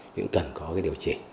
thì cũng cần có cái điều chỉnh